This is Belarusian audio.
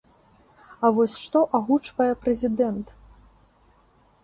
А вось што агучвае прэзідэнт?